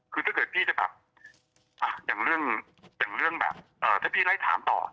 คือถ้าเกิดพี่จะแบบอย่างเรื่องแบบถ้าพี่ไล่ถามต่อ